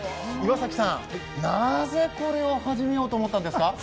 岩崎さん、なぜこれを始めようと思ったんですか？